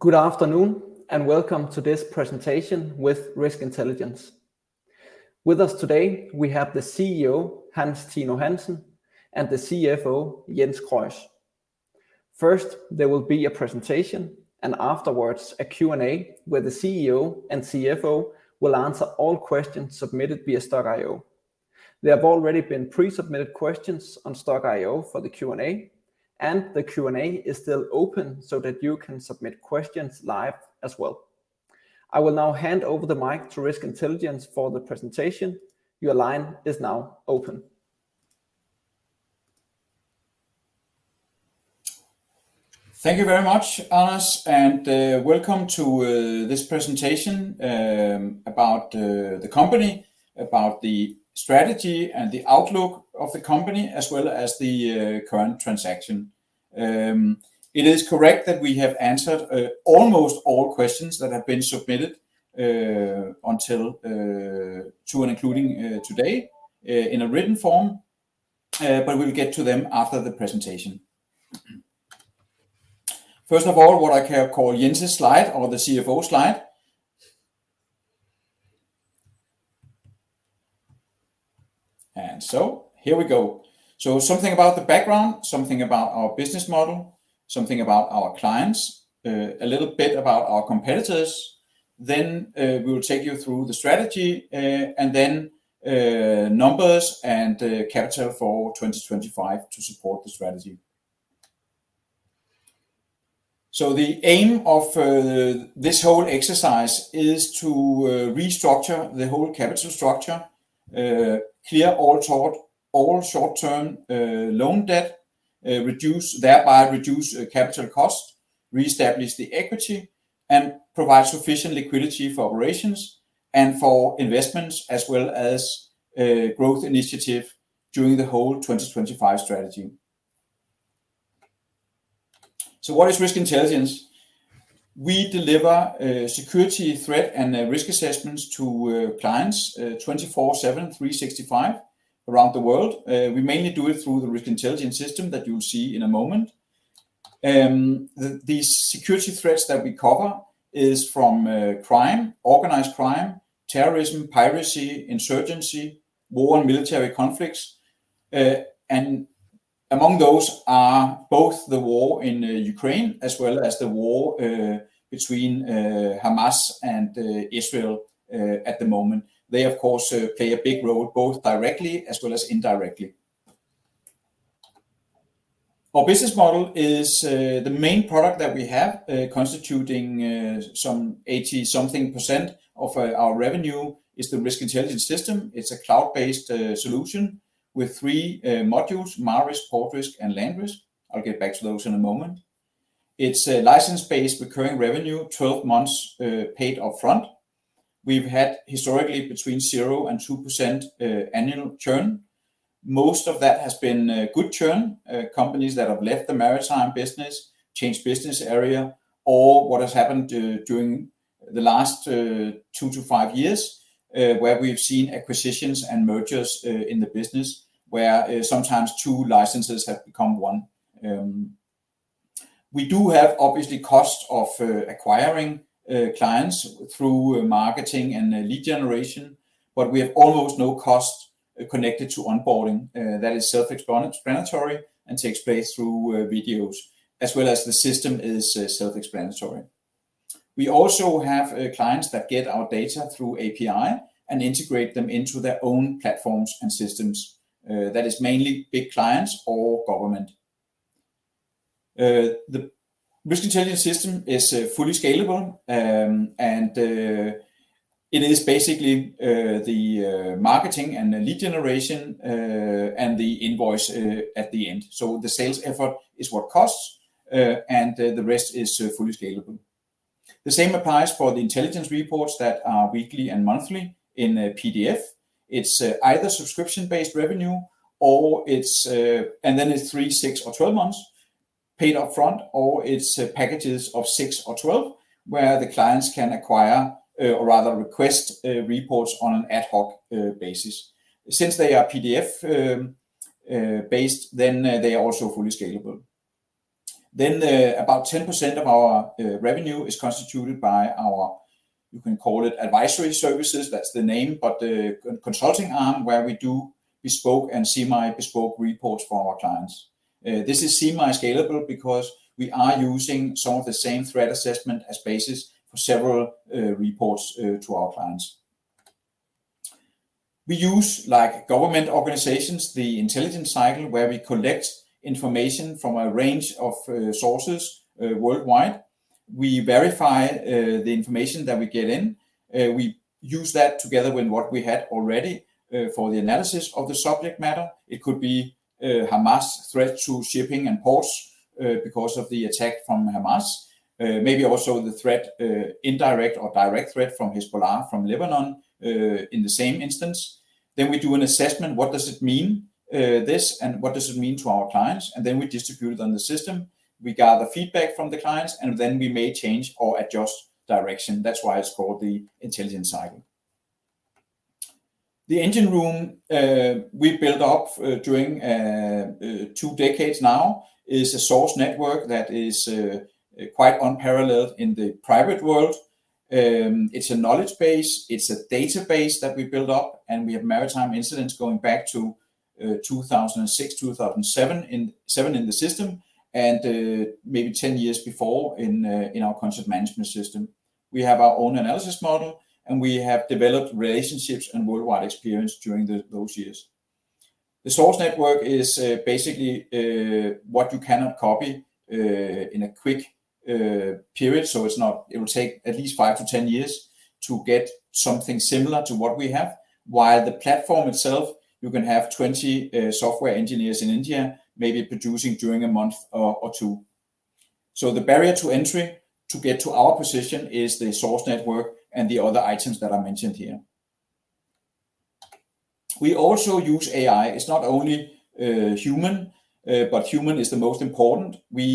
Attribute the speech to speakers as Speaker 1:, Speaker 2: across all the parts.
Speaker 1: Good afternoon, and welcome to this presentation with Risk Intelligence. With us today, we have the CEO, Hans Tino Hansen, and the CFO, Jens Krøis. First, there will be a presentation, and afterwards a Q&A, where the CEO and CFO will answer all questions submitted via Stock-IO. There have already been pre-submitted questions on Stock-IO for the Q&A, and the Q&A is still open so that you can submit questions live as well. I will now hand over the mic to Risk Intelligence for the presentation. Your line is now open.
Speaker 2: Thank you very much, [inaudible] welcome to, this presentation, about, the company, about the strategy and the outlook of the company, as well as the, current transaction. It is correct that we have answered, almost all questions that have been submitted, until, to and including, today, in a written form, but we'll get to them after the presentation. First of all, what I can call Jens' slide or the CFO slide. And so here we go. So something about the background, something about our business model, something about our clients, a little bit about our competitors. Then, we will take you through the strategy, and then, numbers and, capital for 2025 to support the strategy. So the aim of this whole exercise is to restructure the whole capital structure, clear all short, all short-term loan debt, reduce-- thereby reduce capital costs, reestablish the equity, and provide sufficient liquidity for operations and for investments, as well as growth initiative during the whole 2025 strategy. So what is Risk Intelligence? We deliver security threat and risk assessments to clients 24/7, 365 around the world. We mainly do it through the Risk Intelligence System that you'll see in a moment. These security threats that we cover is from crime, organized crime, terrorism, piracy, insurgency, war, and military conflicts. And among those are both the war in Ukraine, as well as the war between Hamas and Israel at the moment. They, of course, play a big role, both directly as well as indirectly. Our business model is the main product that we have constituting some 80-something% of our revenue is the Risk Intelligence System. It's a cloud-based solution with three modules, MaRisk, PortRisk, and LandRisk. I'll get back to those in a moment. It's a license-based recurring revenue, 12 months, paid upfront. We've had historically between 0% and 2% annual churn. Most of that has been good churn. Companies that have left the maritime business, changed business area, or what has happened during the last two to five years where we've seen acquisitions and mergers in the business where sometimes two licenses have become one. We do have, obviously, cost of acquiring clients through marketing and lead generation, but we have almost no cost connected to onboarding. That is self-explanatory and takes place through videos, as well as the system is self-explanatory. We also have clients that get our data through API and integrate them into their own platforms and systems. That is mainly big clients or government. The Risk Intelligence System is fully scalable, and it is basically the marketing and the lead generation, and the invoice at the end. So the sales effort is what costs, and the rest is fully scalable. The same applies for the intelligence reports that are weekly and monthly in a PDF. It's either subscription-based revenue or it's and then it's three, six, or 12 months paid upfront, or it's packages of six or 12, where the clients can acquire, or rather request, reports on an ad hoc basis. Since they are PDF based, then they are also fully scalable. Then about 10% of our revenue is constituted by our, you can call it, advisory services, that's the name, but the consulting arm where we do bespoke and semi-bespoke reports for our clients. This is semi-scalable because we are using some of the same threat assessment as basis for several reports to our clients. We use, like government organizations, the Intelligence Cycle, where we collect information from a range of sources worldwide. We verify the information that we get in. We use that together with what we had already, for the analysis of the subject matter. It could be, Hamas threat to shipping and ports, because of the attack from Hamas. Maybe also the threat, indirect or direct threat from Hezbollah, from Lebanon, in the same instance. Then we do an assessment. What does it mean, this, and what does it mean to our clients? And then we distribute it on the system. We gather feedback from the clients, and then we may change or adjust direction. That's why it's called the Intelligence Cycle... The engine room, we built up during, two decades now is a source network that is, quite unparalleled in the private world. It's a knowledge base, it's a database that we built up, and we have maritime incidents going back to 2006, 2007 in 2007 in the system, and maybe 10 years before in our concept management system. We have our own analysis model, and we have developed relationships and worldwide experience during those years. The source network is basically what you cannot copy in a quick period, so it will take at least five to 10 years to get something similar to what we have, while the platform itself, you can have 20 software engineers in India, maybe producing during a month or two. So the barrier to entry to get to our position is the source network and the other items that I mentioned here. We also use AI. It's not only human, but human is the most important. We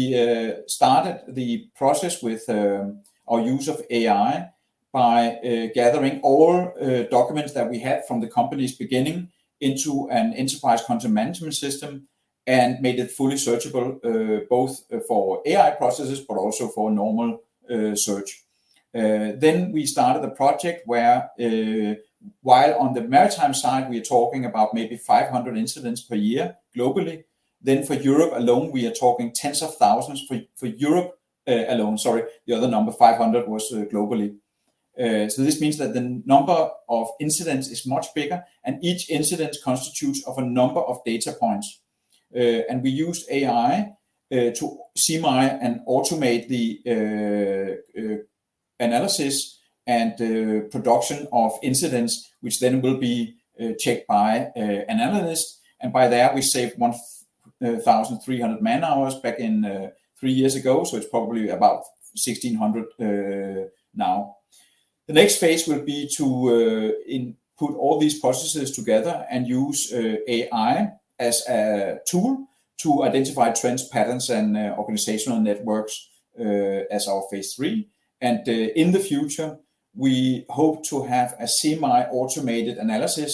Speaker 2: started the process with our use of AI by gathering all documents that we had from the company's beginning into an enterprise content management system and made it fully searchable both for AI processes but also for normal search. Then we started the project where, while on the maritime side, we are talking about maybe 500 incidents per year globally, then for Europe alone, we are talking tens of thousands for Europe alone. Sorry, the other number, 500, was globally. So this means that the number of incidents is much bigger, and each incident constitutes of a number of data points. And we use AI to semi and automate the analysis and the production of incidents, which then will be checked by an analyst, and by that, we saved 1,300 man-hours back in three years ago, so it's probably about 1,600 now. The next phase will be to input all these processes together and use AI as a tool to identify trends, patterns, and organizational networks as our phase three. And in the future, we hope to have a semi-automated analysis,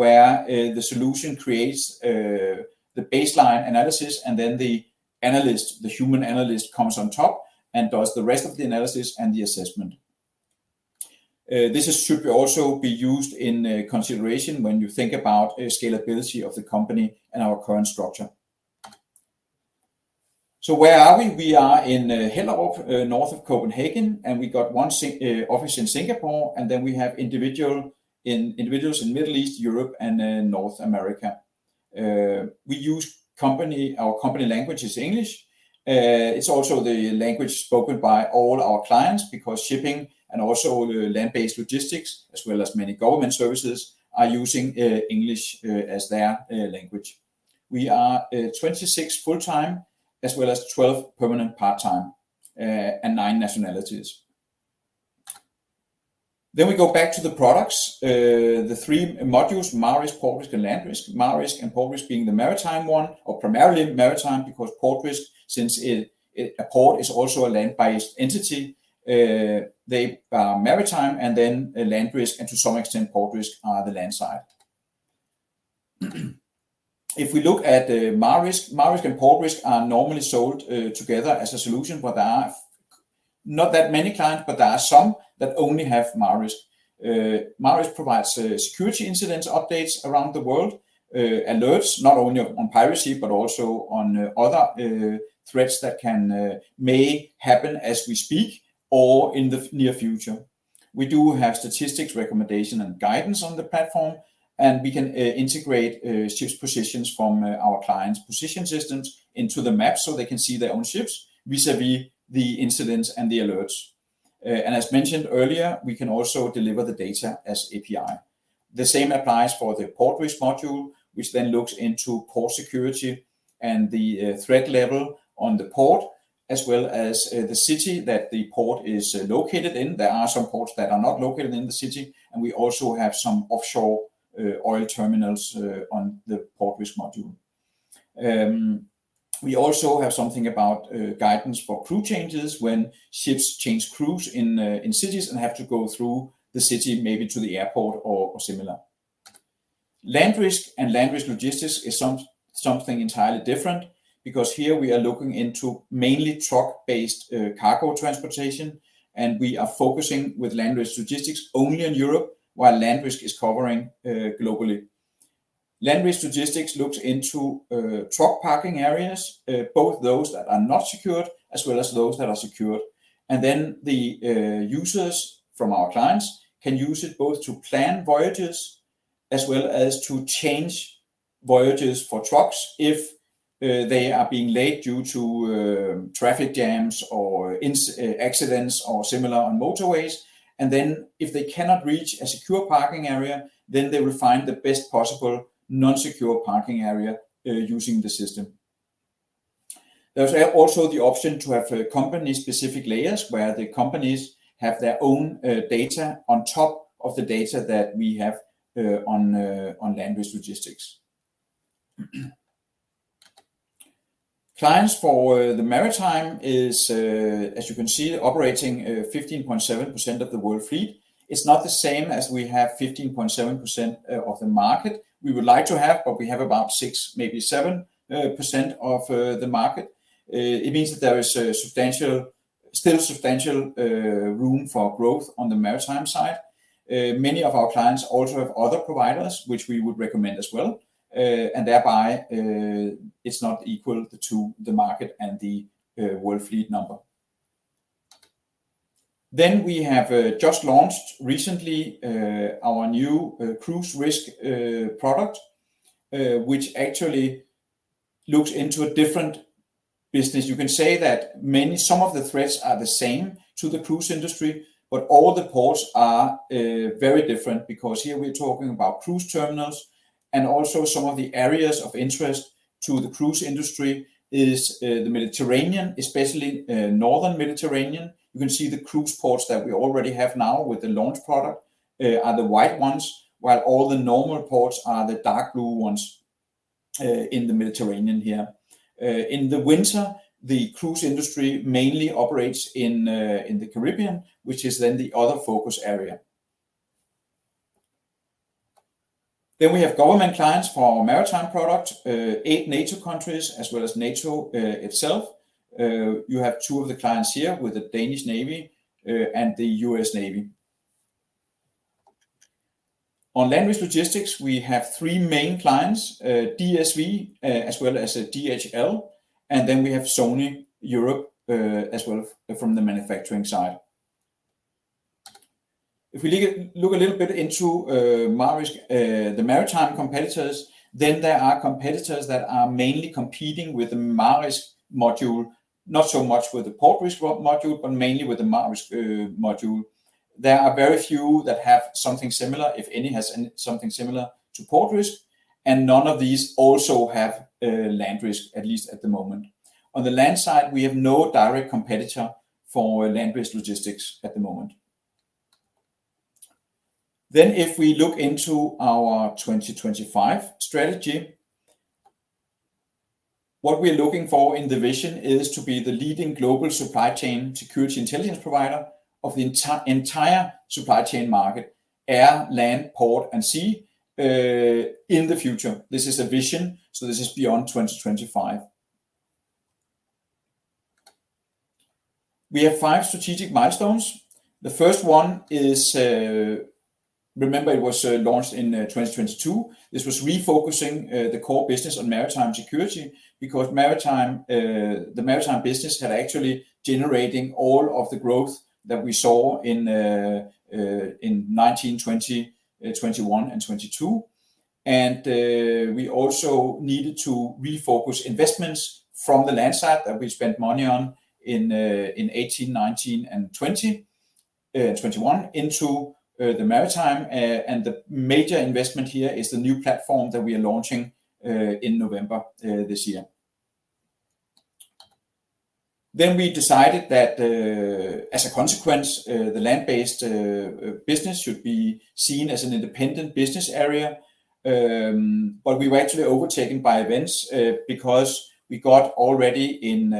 Speaker 2: where the solution creates the baseline analysis, and then the analyst, the human analyst, comes on top and does the rest of the analysis and the assessment. This should also be used in consideration when you think about scalability of the company and our current structure. So where are we? We are in Hellerup, north of Copenhagen, and we got one single office in Singapore, and then we have individuals in Middle East, Europe, and then North America. We use our company language is English. It's also the language spoken by all our clients because shipping and also land-based logistics, as well as many government services, are using English as their language. We are 26 full-time, as well as 12 permanent part-time, and nine nationalities. Then we go back to the products. The three modules, MaRisk, PortRisk, and LandRisk. MaRisk and PortRisk being the maritime one, or primarily maritime, because PortRisk, since a port is also a land-based entity, they're maritime and then LandRisk, and to some extent, PortRisk are the land side. If we look at the MaRisk, MaRisk and PortRisk are normally sold together as a solution, but there are not that many clients, but there are some that only have MaRisk. MaRisk provides security incidents, updates around the world, alerts, not only on piracy, but also on other threats that may happen as we speak or in the near future. We do have statistics, recommendation, and guidance on the platform, and we can integrate ships' positions from our clients' position systems into the map so they can see their own ships, vis-à-vis the incidents and the alerts. And as mentioned earlier, we can also deliver the data as API. The same applies for the PortRisk module, which then looks into port security and the threat level on the port, as well as the city that the port is located in. There are some ports that are not located in the city, and we also have some offshore oil terminals on the PortRisk module. We also have something about guidance for crew changes when ships change crews in cities and have to go through the city, maybe to the airport or similar. LandRisk and LandRisk Logistics is something entirely different because here we are looking into mainly truck-based cargo transportation, and we are focusing with LandRisk Logistics only in Europe, while LandRisk is covering globally. LandRisk Logistics looks into truck parking areas, both those that are not secured, as well as those that are secured. And then the users from our clients can use it both to plan voyages, as well as to change voyages for trucks if they are being late due to traffic jams or accidents or similar on motorways. And then if they cannot reach a secure parking area, then they will find the best possible non-secure parking area using the system. There's also the option to have company-specific layers, where the companies have their own data on top of the data that we have on LandRisk Logistics. ...clients for the maritime is, as you can see, operating 15.7% of the world fleet. It's not the same as we have 15.7% of the market we would like to have, but we have about 6%, maybe 7% of the market. It means that there is a substantial, still substantial, room for growth on the maritime side. Many of our clients also have other providers, which we would recommend as well, and thereby, it's not equal to the market and the world fleet number. Then we have just launched recently, our new cruise risk product, which actually looks into a different business. You can say that some of the threats are the same to the cruise industry, but all the ports are very different because here we're talking about cruise terminals and also some of the areas of interest to the cruise industry is the Mediterranean, especially Northern Mediterranean. You can see the cruise ports that we already have now with the launch product are the white ones, while all the normal ports are the dark blue ones in the Mediterranean here. In the winter, the cruise industry mainly operates in the Caribbean, which is then the other focus area. Then we have government clients for our maritime product, eight NATO countries as well as NATO itself. You have two of the clients here with the Danish Navy and the US Navy. On land-based logistics, we have three main clients, DSV as well as DHL, and then we have Sony Europe, as well from the manufacturing side. If we look a little bit into MaRisk, the maritime competitors, then there are competitors that are mainly competing with the MaRisk module. Not so much with the PortRisk module, but mainly with the MaRisk module. There are very few that have something similar, if any, has something similar to PortRisk, and none of these also have LandRisk, at least at the moment. On the land side, we have no direct competitor for land-based logistics at the moment. Then if we look into our 2025 strategy, what we're looking for in the vision is to be the leading global supply chain security intelligence provider of the entire supply chain market, air, land, port, and sea, in the future. This is a vision, so this is beyond 2025. We have five strategic milestones. The first one is, remember, it was launched in 2022. This was refocusing the core business on maritime security because maritime, the maritime business had actually generating all of the growth that we saw in 2020, 2021, and 2022. And we also needed to refocus investments from the land side that we spent money on in 2018, 2019, 2020, and 2021 into the maritime. The major investment here is the new platform that we are launching in November this year. We decided that, as a consequence, the land-based business should be seen as an independent business area. We were actually overtaken by events because we got already in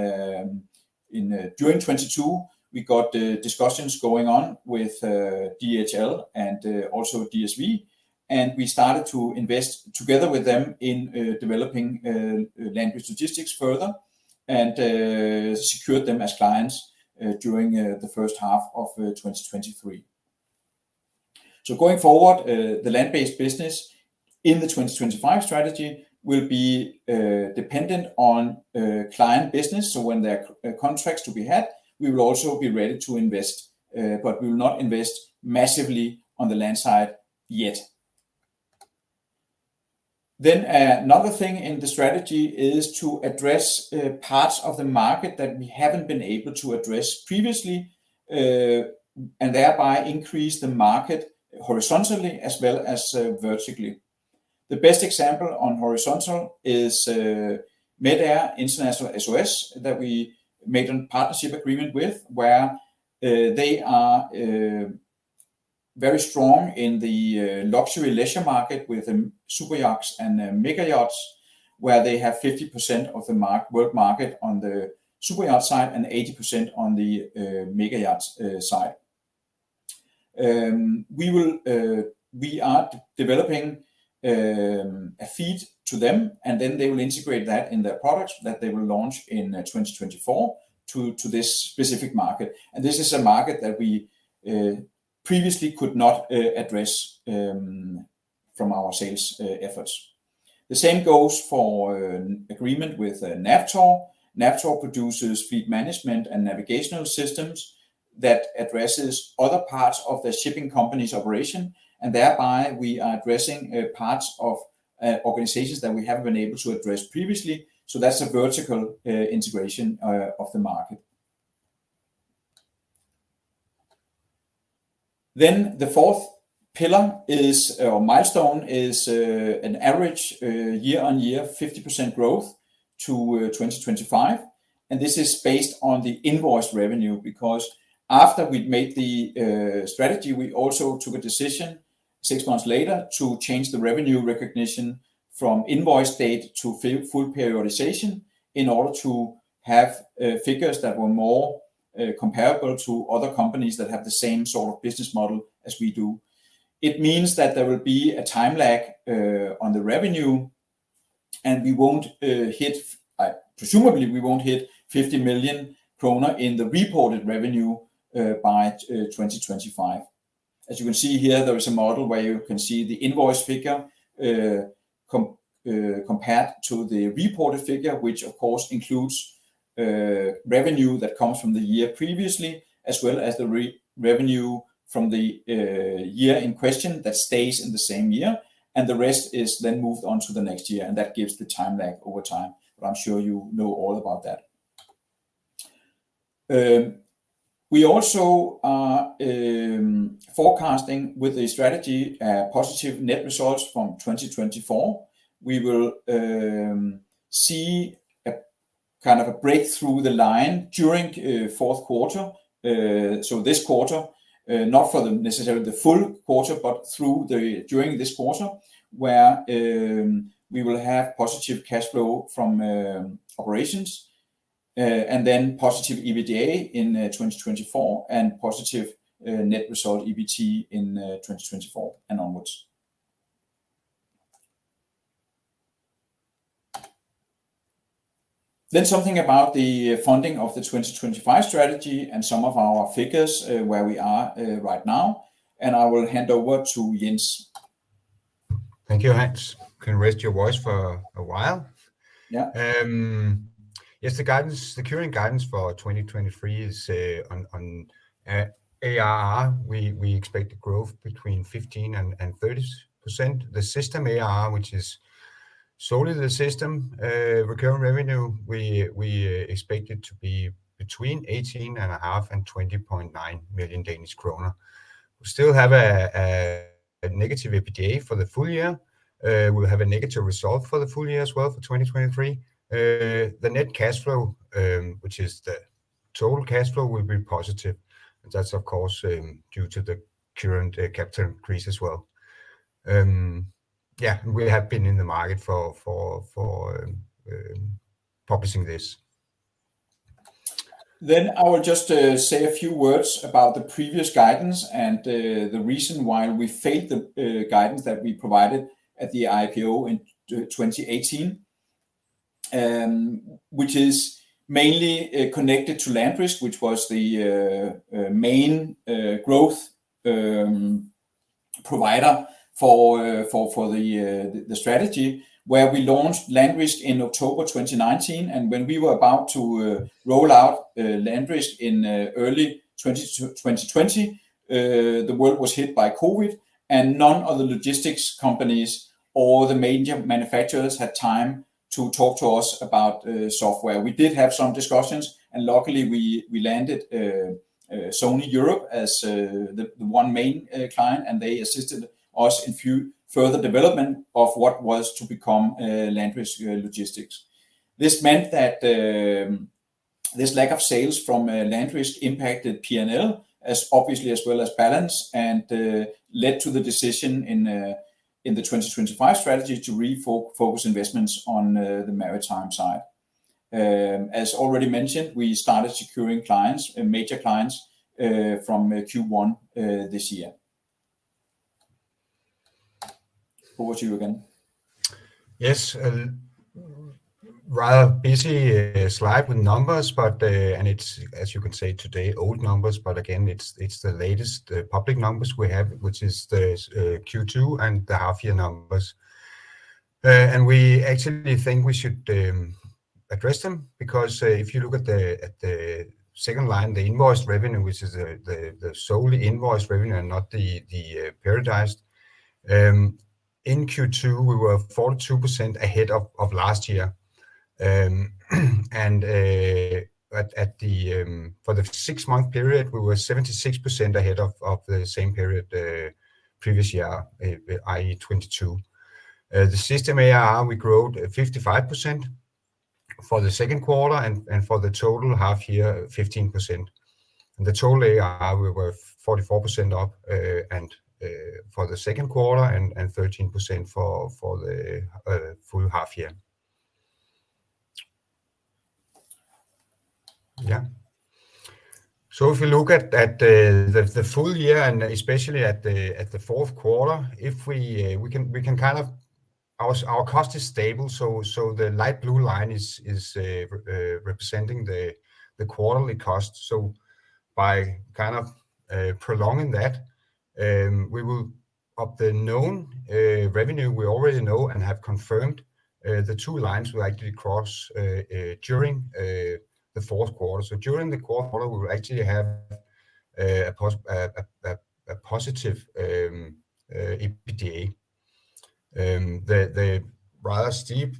Speaker 2: during 2022, we got discussions going on with DHL and also DSV, and we started to invest together with them in developing land-based logistics further and secured them as clients during the first half of 2023. Going forward, the land-based business in the 2025 strategy will be dependent on client business. When there are contracts to be had, we will also be ready to invest, but we will not invest massively on the land side yet. Another thing in the strategy is to address parts of the market that we haven't been able to address previously, and thereby increase the market horizontally as well as vertically. The best example on horizontal is MedAire International SOS that we made in partnership agreement with, where they are very strong in the luxury leisure market with super yachts and mega yachts, where they have 50% of the world market on the super yacht side and 80% on the mega yachts side. We are developing a feed to them, and then they will integrate that in their product that they will launch in 2024 to this specific market. This is a market that we previously could not address from our sales efforts. The same goes for an agreement with NAVTOR. NAVTOR produces fleet management and navigational systems that addresses other parts of the shipping companies operation, and thereby, we are addressing parts of organizations that we haven't been able to address previously. So that's a vertical integration of the market. Then the fourth pillar is or milestone is an average year-on-year 50% growth to 2025....and this is based on the invoice revenue, because after we'd made the strategy, we also took a decision six months later to change the revenue recognition from invoice date to full periodization in order to have figures that were more comparable to other companies that have the same sort of business model as we do. It means that there will be a time lag on the revenue, and we won't hit - presumably, we won't hit 50 million kroner in the reported revenue by 2025. As you can see here, there is a model where you can see the invoice figure compared to the reported figure, which, of course, includes revenue that comes from the year previously, as well as the revenue from the year in question that stays in the same year, and the rest is then moved on to the next year, and that gives the time lag over time. But I'm sure you know all about that. We also are forecasting with the strategy positive net results from 2024. We will see a kind of a breakthrough the line during fourth quarter. So this quarter, not necessarily for the full quarter, but during this quarter, where we will have positive cash flow from operations, and then positive EBITDA in 2024 and positive net result, EBT, in 2024 and onwards. Then something about the funding of the 2025 strategy and some of our figures where we are right now. I will hand over to Jens.
Speaker 3: Thank you, Hans. You can rest your voice for a while.
Speaker 2: Yeah.
Speaker 3: Yes, the guidance, the current guidance for 2023 is on ARR. We expect a growth between 15% to 30%. The system ARR, which is solely the system recurring revenue, we expect it to be between 18.5 million and 20.9 million Danish kroner. We still have a negative EBITDA for the full year. We'll have a negative result for the full year as well, for 2023. The net cash flow, which is the total cash flow, will be positive, and that's of course due to the current capital increase as well. Yeah, we have been in the market for publishing this.
Speaker 2: Then I will just say a few words about the previous guidance and the reason why we failed the guidance that we provided at the IPO in 2018. Which is mainly connected to LandRisk, which was the main growth provider for the strategy, where we launched LandRisk in October 2019, and when we were about to roll out LandRisk in early 2020, the world was hit by COVID, and none of the logistics companies or the major manufacturers had time to talk to us about software. We did have some discussions, and luckily, we landed Sony Europe as the one main client, and they assisted us in few further development of what was to become LandRisk Logistics. This meant that, this lack of sales from LandRisk impacted P&L as obviously as well as balance, and led to the decision in the 2025 strategy to refocus investments on the maritime side. As already mentioned, we started securing clients and major clients from Q1 this year. Over to you again.
Speaker 3: Yes, and rather busy slide with numbers, but, and it's, as you can say today, old numbers. But again, it's the latest public numbers we have, which is the Q2 and the half-year numbers. And we actually think we should address them, because if you look at the second line, the invoiced revenue, which is the solely invoiced revenue and not the periodized, in Q2, we were 42% ahead of last year. And for the six-month period, we were 76% ahead of the same period previous year, i.e., 2022. The system ARR, we grew 55% for the second quarter and for the total half year, 15%. And the total ARR, we were 44% up, and for the second quarter and 13% for the full half year. Yeah. So if you look at the full year, and especially at the fourth quarter, if we can kind of... Our cost is stable, so the light blue line is representing the quarterly cost. So by kind of prolonging that, we will up the known revenue we already know and have confirmed, the two lines will actually cross during the fourth quarter. So during the fourth quarter, we will actually have a positive EBITDA. The rather steep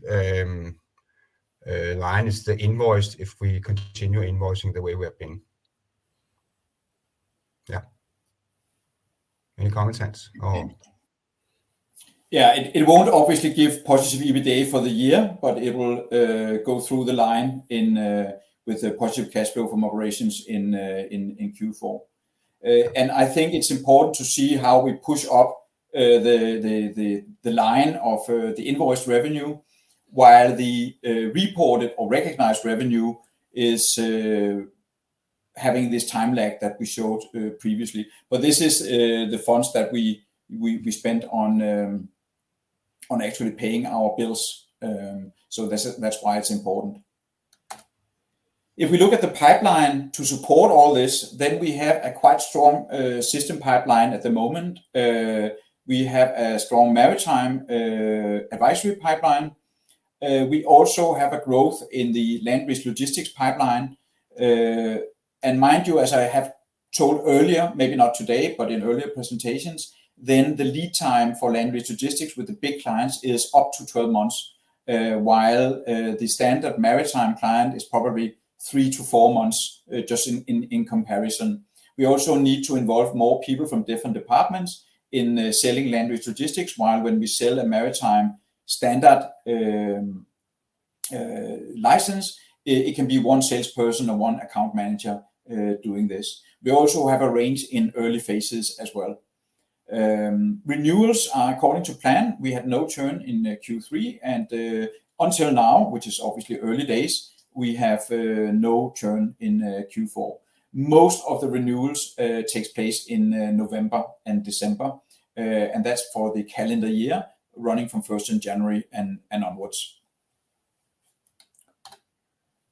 Speaker 3: line is the invoiced if we continue invoicing the way we have been.... Yeah. Any comments, Hans, or?
Speaker 2: Yeah, it won't obviously give positive EBITDA for the year, but it will go through the line in with the positive cash flow from operations in Q4. And I think it's important to see how we push up the line of the invoiced revenue, while the reported or recognized revenue is having this time lag that we showed previously. But this is the funds that we spent on actually paying our bills. So that's why it's important. If we look at the pipeline to support all this, then we have a quite strong system pipeline at the moment. We have a strong maritime advisory pipeline. We also have a growth in the land-based logistics pipeline. And mind you, as I have told earlier, maybe not today, but in earlier presentations, then the lead time for land-based logistics with the big clients is up to 12 months, while the standard maritime client is probably three to four months, just in comparison. We also need to involve more people from different departments in selling land-based logistics, while when we sell a maritime standard license, it can be one salesperson or one account manager doing this. We also have a range in early phases as well. Renewals are according to plan. We had no churn in Q3 and, until now, which is obviously early days, we have no churn in Q4. Most of the renewals takes place in November and December. And that's for the calendar year, running from first in January and onwards.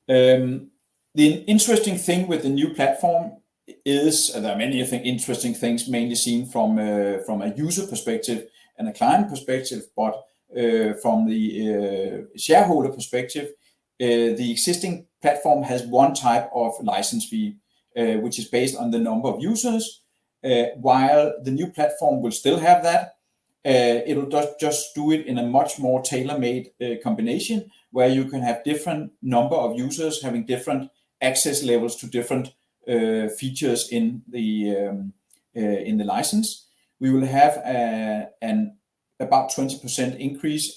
Speaker 2: The interesting thing with the new platform is, there are many, I think, interesting things, mainly seen from a user perspective and a client perspective, but from the shareholder perspective, the existing platform has one type of license fee, which is based on the number of users. While the new platform will still have that, it'll just do it in a much more tailor-made combination, where you can have different number of users having different access levels to different features in the license. We will have an about 20% increase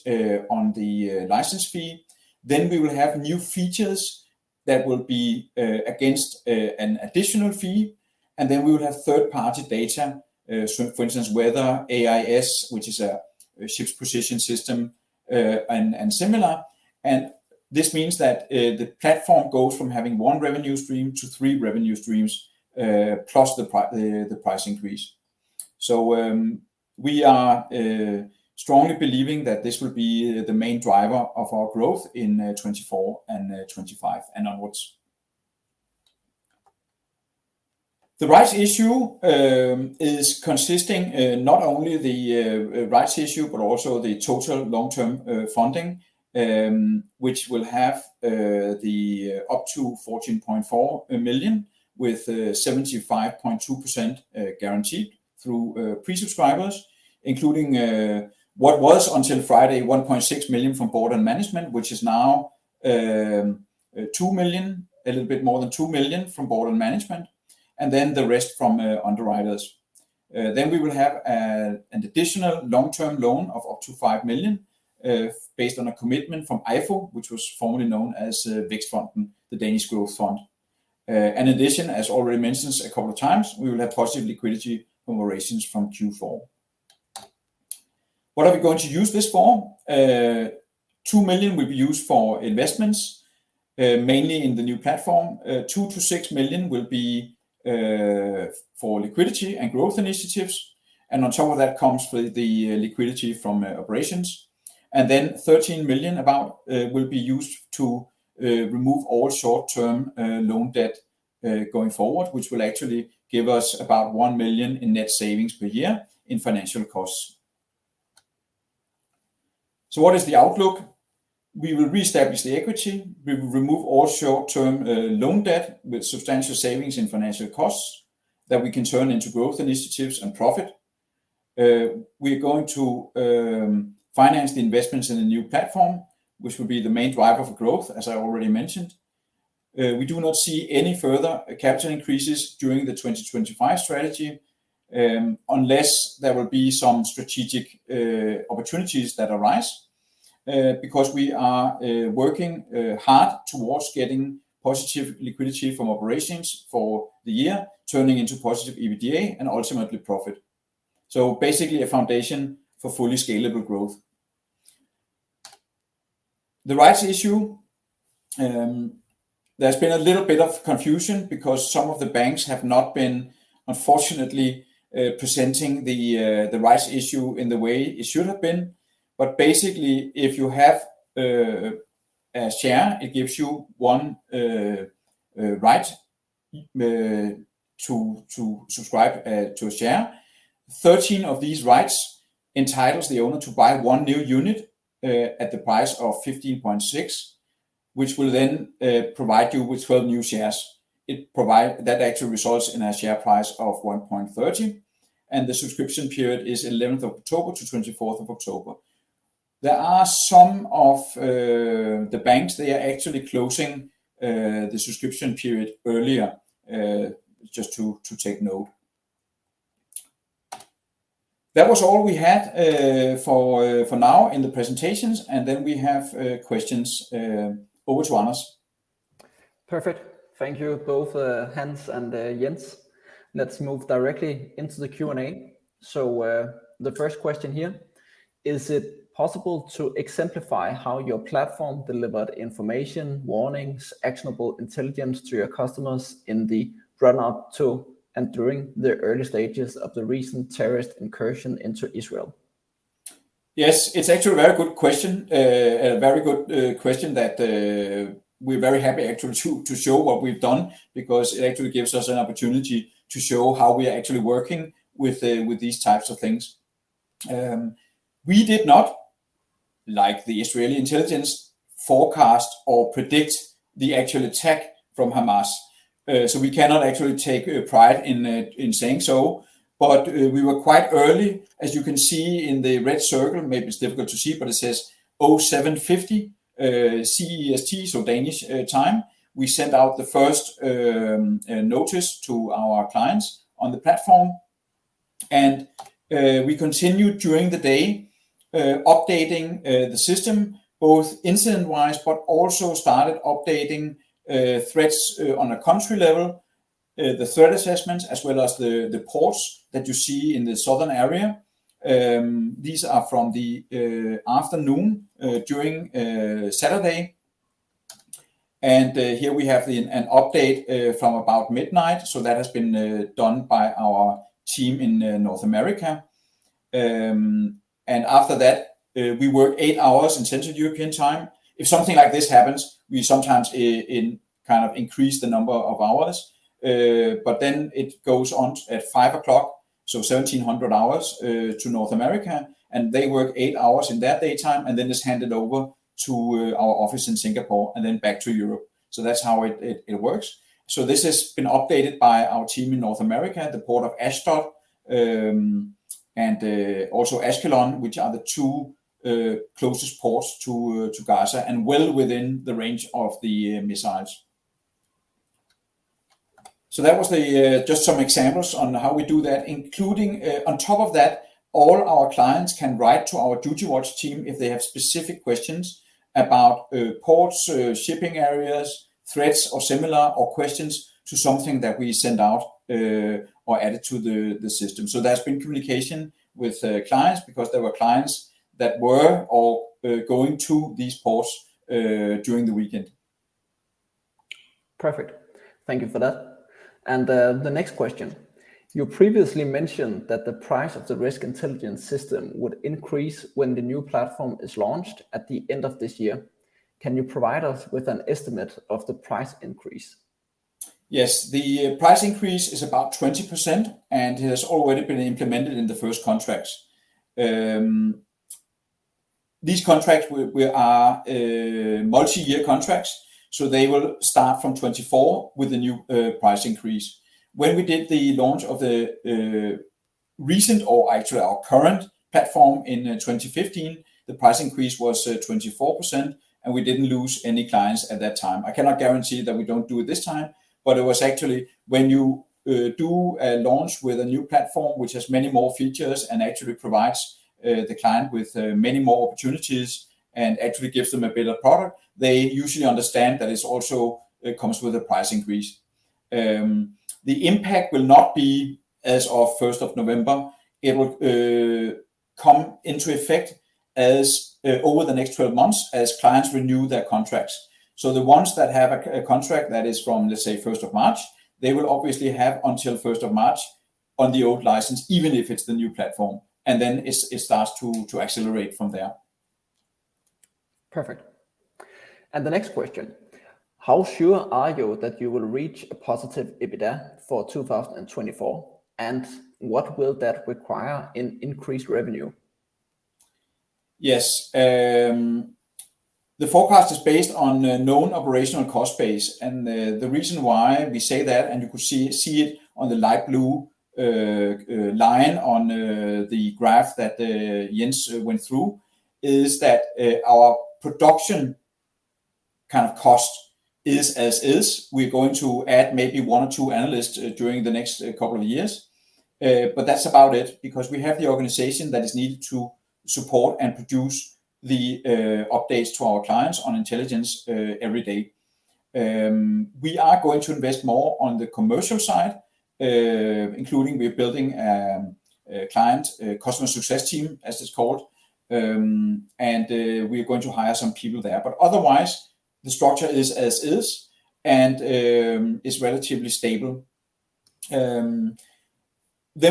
Speaker 2: on the license fee. Then we will have new features that will be against an additional fee, and then we will have third-party data. So for instance, weather, AIS, which is a ship's position system, and similar. And this means that the platform goes from having one revenue stream to three revenue streams, plus the price increase. So we are strongly believing that this will be the main driver of our growth in 2024 and 2025, and onwards. The rights issue is consisting not only the rights issue, but also the total long-term funding, which will have up to 14.4 million, with 75.2% guaranteed through pre-subscribers, including what was until Friday, 1.6 million from board and management, which is now 2 million, a little bit more than 2 million from board and management, and then the rest from underwriters. Then we will have an additional long-term loan of up to 5 million based on a commitment from EIFO, which was formerly known as Vækstfonden, the Danish Growth Fund. In addition, as already mentioned a couple of times, we will have positive liquidity from operations from Q4. What are we going to use this for? 2 million will be used for investments, mainly in the new platform. 2-6 million will be for liquidity and growth initiatives, and on top of that comes with the liquidity from operations. Then about 13 million will be used to remove all short-term loan debt going forward, which will actually give us about 1 million in net savings per year in financial costs. So what is the outlook? We will reestablish the equity. We will remove all short-term loan debt, with substantial savings in financial costs that we can turn into growth initiatives and profit. We are going to finance the investments in the new platform, which will be the main driver for growth, as I already mentioned. We do not see any further capital increases during the 2025 strategy, unless there will be some strategic opportunities that arise, because we are working hard towards getting positive liquidity from operations for the year, turning into positive EBITDA and ultimately profit. So basically, a foundation for fully scalable growth. The Rights Issue, there's been a little bit of confusion because some of the banks have not been, unfortunately, presenting the rights issue in the way it should have been. But basically, if you have a share, it gives you one right to subscribe to a share. 13 of these rights entitles the owner to buy one new unit at the price of 15.6, which will then provide you with 12 new shares. That actually results in a share price of 1.30, and the subscription period is 11th of October to 24th of October. There are some of the banks; they are actually closing the subscription period earlier, just to take note. That was all we had for now in the presentations. Then we have questions over to Johannes.
Speaker 1: Perfect. Thank you both, Hans and, Jens. Let's move directly into the Q&A. So, the first question here: Is it possible to exemplify how your platform delivered information, warnings, actionable intelligence to your customers in the run-up to and during the early stages of the recent terrorist incursion into Israel?
Speaker 2: Yes, it's actually a very good question, a very good question that we're very happy actually to show what we've done, because it actually gives us an opportunity to show how we are actually working with these types of things. We did not, like the Israeli intelligence, forecast or predict the actual attack from Hamas. So we cannot actually take pride in saying so, but we were quite early, as you can see in the red circle. Maybe it's difficult to see, but it says 07:50 CEST, so Danish time. We sent out the first notice to our clients on the platform, and we continued during the day updating the system, both incident-wise, but also started updating threats on a country level, the threat assessments, as well as the ports that you see in the southern area. These are from the afternoon during Saturday. Here we have an update from about midnight. That has been done by our team in North America. After that, we work eight hours in Central European Time. If something like this happens, we sometimes in kind of increase the number of hours. But then it goes on at 5:00 P.M., so 1700 hours, to North America, and they work 8 hours in their daytime, and then it's handed over to our office in Singapore and then back to Europe. So that's how it works. So this has been updated by our team in North America, at the port of Ashdod, and also Ashkelon, which are the two closest ports to Gaza and well within the range of the missiles. So that was just some examples on how we do that, including on top of that, all our clients can write to our duty watch team if they have specific questions about ports, shipping areas, threats or similar, or questions to something that we send out, or added to the system. So there's been communication with clients, because there were clients that were going to these ports during the weekend.
Speaker 1: Perfect. Thank you for that. And, the next question: You previously mentioned that the price of the Risk Intelligence System would increase when the new platform is launched at the end of this year. Can you provide us with an estimate of the price increase?
Speaker 2: Yes. The price increase is about 20% and has already been implemented in the first contracts. These contracts are multi-year contracts, so they will start from 2024 with the new price increase. When we did the launch of the recent or actually our current platform in 2015, the price increase was 24%, and we didn't lose any clients at that time. I cannot guarantee that we don't do it this time, but it was actually when you do a launch with a new platform, which has many more features and actually provides the client with many more opportunities and actually gives them a better product, they usually understand that it's also, it comes with a price increase. The impact will not be as of the first of November. It will come into effect as over the next 12 months as clients renew their contracts. So the ones that have a contract that is from, let's say, first of March, they will obviously have until first of March on the old license, even if it's the new platform, and then it starts to accelerate from there.
Speaker 1: Perfect. The next question: How sure are you that you will reach a positive EBITDA for 2024, and what will that require in increased revenue?
Speaker 2: Yes. The forecast is based on the known operational cost base. And the reason why we say that, and you could see it on the light blue line on the graph that Jens went through, is that our production kind of cost is as is. We're going to add maybe one or two analysts during the next couple of years. But that's about it, because we have the organization that is needed to support and produce the updates to our clients on intelligence every day. We are going to invest more on the commercial side, including we are building a client, a customer success team, as it's called. And we're going to hire some people there. But otherwise, the structure is as is, and is relatively stable. Then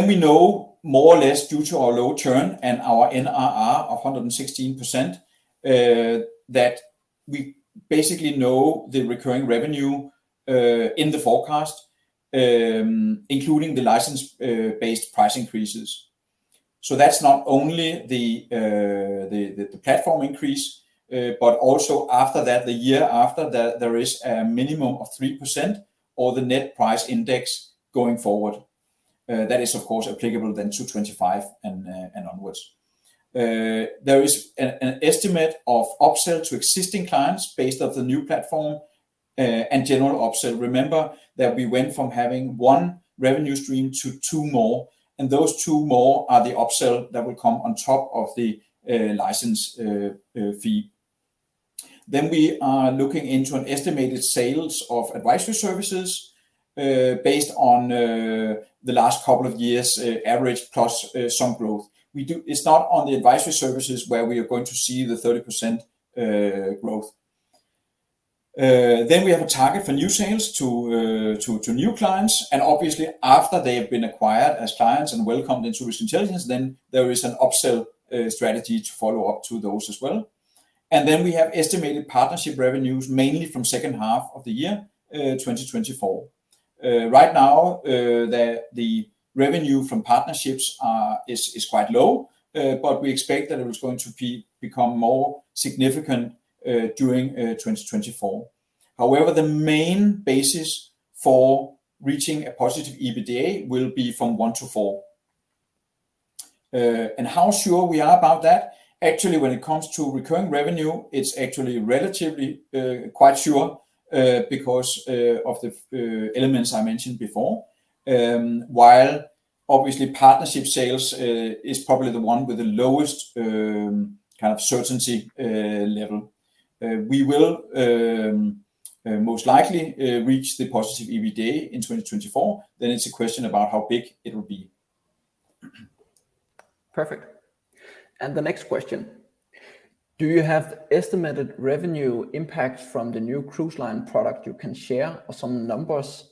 Speaker 2: we know more or less due to our low churn and our NRR of 116%, that we basically know the recurring revenue in the forecast, including the license-based price increases. So that's not only the platform increase, but also after that, the year after that, there is a minimum of 3% or the net price index going forward... that is of course applicable then to 25 and onwards. There is an estimate of upsell to existing clients based off the new platform and general upsell. Remember that we went from having one revenue stream to two more, and those two more are the upsell that will come on top of the license fee. Then we are looking into an estimated sales of advisory services, based on the last couple of years average plus some growth. It's not on the advisory services where we are going to see the 30% growth. Then we have a target for new sales to new clients, and obviously after they have been acquired as clients and welcomed into Risk Intelligence, then there is an upsell strategy to follow up to those as well. And then we have estimated partnership revenues, mainly from second half of the year 2024. Right now, the revenue from partnerships is quite low, but we expect that it is going to become more significant during 2024. However, the main basis for reaching a positive EBITDA will be from one to four. And how sure we are about that? Actually, when it comes to recurring revenue, it's actually relatively quite sure because of the elements I mentioned before. While obviously partnership sales is probably the one with the lowest kind of certainty level, we will most likely reach the positive EBITDA in 2024, then it's a question about how big it will be.
Speaker 1: Perfect. The next question: Do you have estimated revenue impact from the new cruise line product you can share or some numbers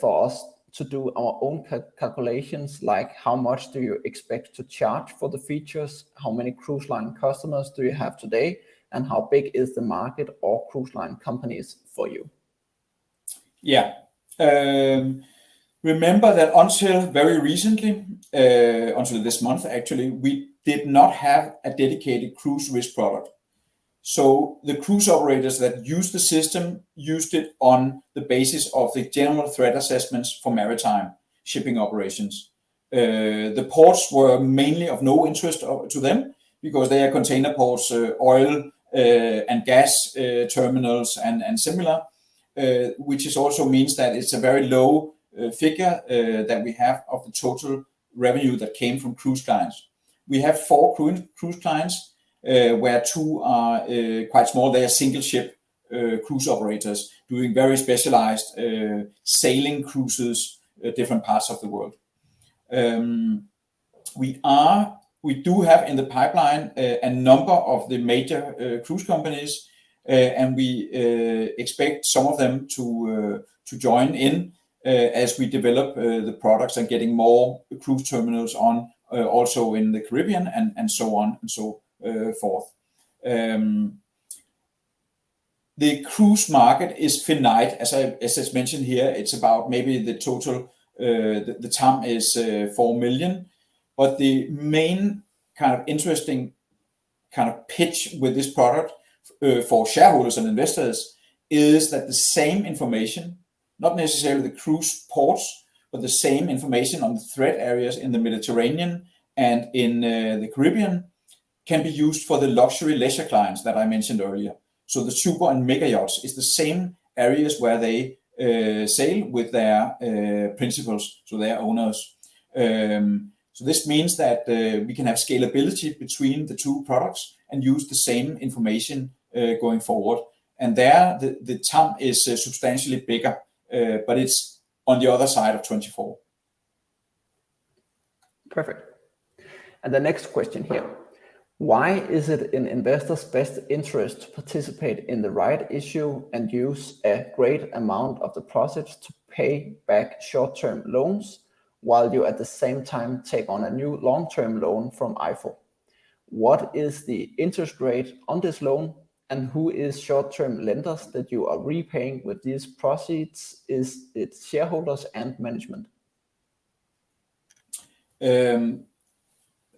Speaker 1: for us to do our own calculations? Like, how much do you expect to charge for the features? How many cruise line customers do you have today, and how big is the market or cruise line companies for you?
Speaker 2: Yeah. Remember that until very recently, until this month, actually, we did not have a dedicated cruise risk product. So the cruise operators that used the system used it on the basis of the general threat assessments for maritime shipping operations. The ports were mainly of no interest to them because they are container ports, oil and gas terminals and similar, which also means that it's a very low figure that we have of the total revenue that came from cruise clients. We have four cruise clients, where two are quite small. They are single ship cruise operators doing very specialized sailing cruises at different parts of the world. We do have in the pipeline a number of the major cruise companies, and we expect some of them to join in as we develop the products and getting more cruise terminals on also in the Caribbean and so on and so forth. The cruise market is finite. As is mentioned here, it's about maybe the total the TAM is 4 million, but the main kind of interesting kind of pitch with this product for shareholders and investors is that the same information, not necessarily the cruise ports, but the same information on the threat areas in the Mediterranean and in the Caribbean, can be used for the luxury leisure clients that I mentioned earlier. So the super and mega yachts is the same areas where they sail with their principals, so their owners. So this means that we can have scalability between the two products and use the same information going forward. And there the TAM is substantially bigger, but it's on the other side of 24.
Speaker 1: Perfect. The next question here: Why is it in investors' best interest to participate in the Rights Issue and use a great amount of the proceeds to pay back short-term loans, while you at the same time take on a new long-term loan from EIFO? What is the interest rate on this loan, and who is short-term lenders that you are repaying with these proceeds? Is it shareholders and management?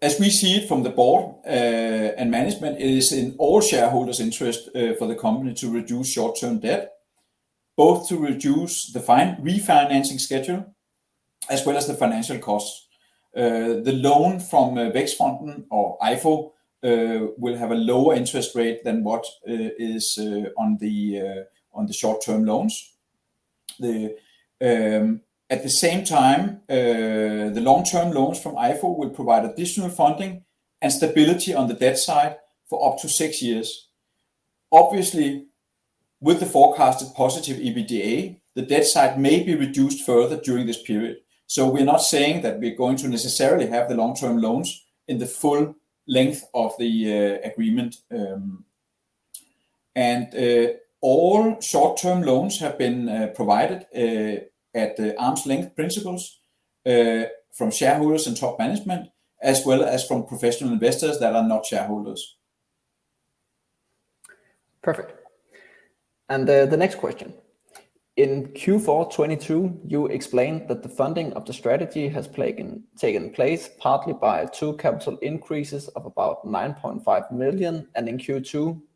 Speaker 2: As we see it from the board, and management, it is in all shareholders' interest, for the company to reduce short-term debt, both to reduce the fine- refinancing schedule as well as the financial costs. The loan from, Vækstfonden or EIFO, will have a lower interest rate than what, is, on the, on the short-term loans. At the same time, the long-term loans from EIFO will provide additional funding and stability on the debt side for up to six years. Obviously, with the forecasted positive EBITDA, the debt side may be reduced further during this period. So we're not saying that we're going to necessarily have the long-term loans in the full length of the, agreement. All short-term loans have been provided at the arm's length principles from shareholders and top management, as well as from professional investors that are not shareholders.
Speaker 1: Perfect. And, the next question: In Q4 2022, you explained that the funding of the strategy has taken place partly by two capital increases of about 9.5 million, and in Q2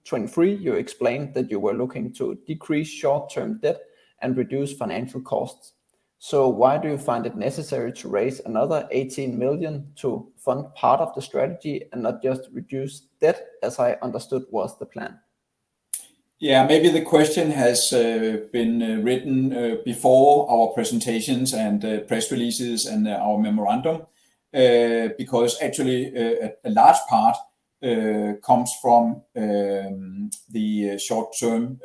Speaker 1: 2023, you explained that you were looking to decrease short-term debt and reduce financial costs.... So why do you find it necessary to raise another 18 million to fund part of the strategy and not just reduce debt, as I understood was the plan?
Speaker 2: Yeah, maybe the question has been written before our presentations and press releases and our memorandum. Because actually, a large part comes from the short-term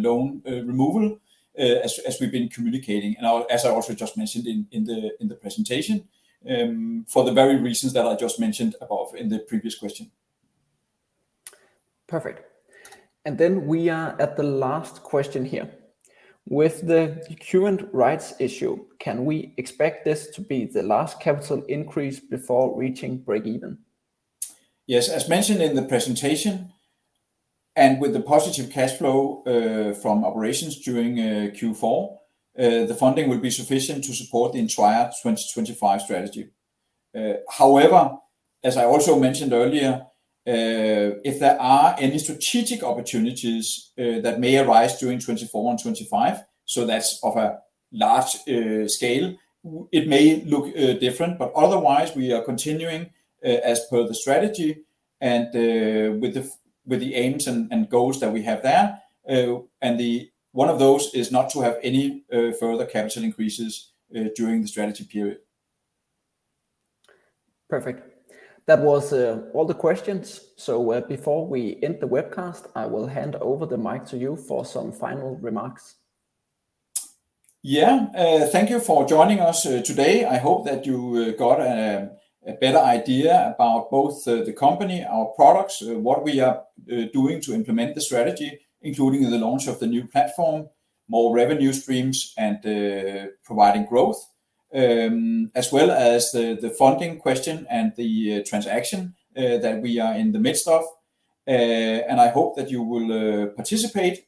Speaker 2: loan removal as we've been communicating. And now, as I also just mentioned in the presentation, for the very reasons that I just mentioned above in the previous question.
Speaker 1: Perfect. We are at the last question here. With the current Rights Issue, can we expect this to be the last capital increase before reaching break-even?
Speaker 2: Yes. As mentioned in the presentation, and with the positive cash flow from operations during Q4, the funding will be sufficient to support the entire 2025 strategy. However, as I also mentioned earlier, if there are any strategic opportunities that may arise during 2024 and 2025, so that's of a large scale, it may look different, but otherwise we are continuing as per the strategy and with the aims and goals that we have there. And one of those is not to have any further capital increases during the strategy period.
Speaker 1: Perfect. That was all the questions. So, before we end the webcast, I will hand over the mic to you for some final remarks.
Speaker 2: Yeah. Thank you for joining us today. I hope that you got a better idea about both the company, our products, and what we are doing to implement the strategy, including the launch of the new platform, more revenue streams, and providing growth, as well as the funding question and the transaction that we are in the midst of. I hope that you will participate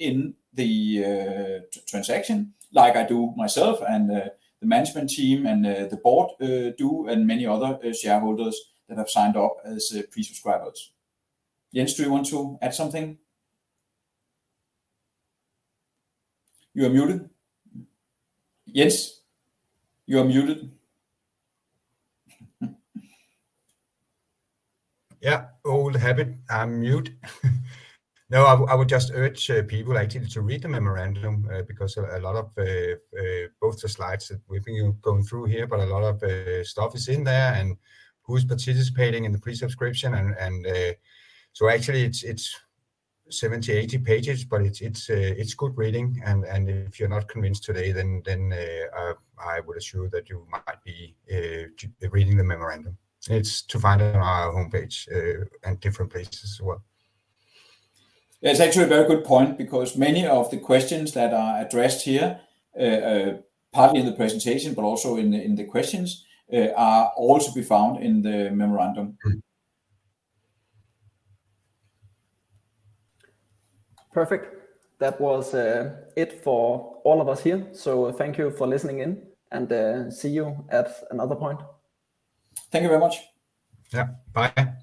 Speaker 2: in the transaction like I do myself and the management team and the board do, and many other shareholders that have signed up as pre-subscribers. Jens, do you want to add something? You are muted. Jens, you are muted.
Speaker 3: Yeah. Old habit, I'm mute. No, I would just urge people actually to read the memorandum, because a lot of both the slides that we've been going through here, but a lot of stuff is in there and who's participating in the pre-subscription and so actually it's 70 to 80 pages, but it's good reading. And if you're not convinced today, then I would assure you that you might be reading the memorandum. It's to find it on our homepage and different places as well.
Speaker 2: It's actually a very good point, because many of the questions that are addressed here, partly in the presentation, but also in the questions, are also to be found in the memorandum.
Speaker 1: Perfect. That was it for all of us here. So thank you for listening in, and see you at another point.
Speaker 2: Thank you very much.
Speaker 3: Yeah, bye.